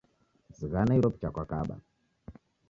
Zighana iro picha kwakaba